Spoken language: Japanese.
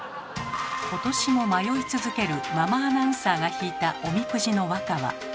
今年も迷い続けるママアナウンサーが引いたおみくじの和歌は。